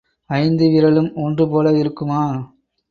ஐந்து விரலும் ஒன்று போல இருக்குமா?